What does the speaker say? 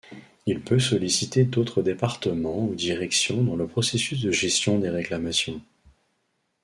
Il peut solliciter d'autres départements ou directions dans le processus de gestion des réclamations.